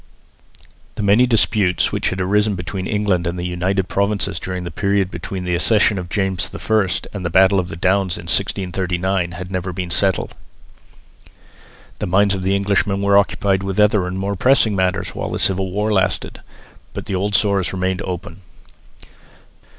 The many disputes, which had arisen between England and the United Provinces during the period between the accession of James I and the battle of the Downs in 1639, had never been settled. The minds of Englishmen were occupied with other and more pressing matters while the Civil War lasted. But the old sores remained open.